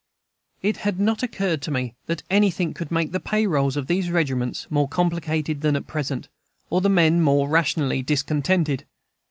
It had not occurred to me that anything could make the payrolls of these regiments more complicated than at present, or the men more rationally discontented.